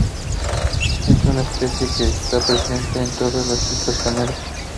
Es una especie que está presente en todas las islas Canarias.